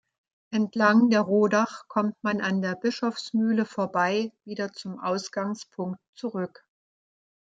Entlang der Rodach kommt man an der Bischofsmühle vorbei wieder zum Ausgangspunkt zurück.